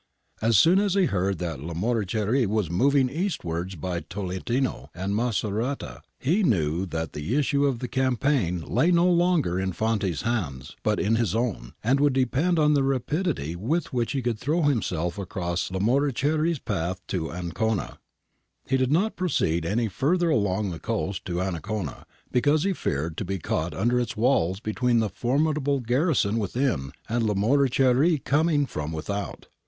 As soon as he heard that Lamoriciere was moving eastwards by Tolentino and Macerata, he knew that the issue of the campaign lay no longer in Fanti's hands but in his own, and would depend on the rapidity with which he could throw himself across Lamoriciere's path to Ancona. He did not proceed any further along the coast to Ancona, because he feared to be caught under its walls between the formidable garrison within and Lamoriciere coming from without.